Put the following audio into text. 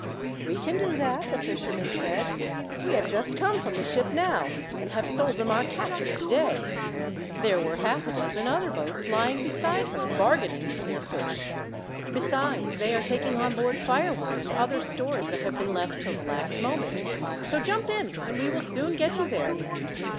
"We can do that," the fishermen said. "We have just come from the ship now, and have sold them our catch of today. There were half a dozen other boats lying beside her, bargaining for their fish. Besides they are taking on board firewood and other stores that have been left till the last moment. So jump in and we will soon get you there."